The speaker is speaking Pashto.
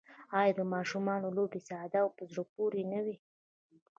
آیا د ماشومانو لوبې ساده او په زړه پورې نه وي؟